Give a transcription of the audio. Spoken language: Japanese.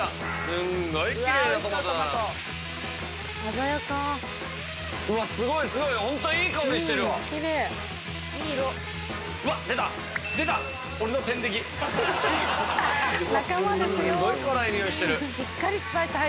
すんごい辛いにおいしてる。